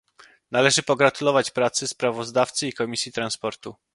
Należy pogratulować pracy sprawozdawcy i Komisji Transportu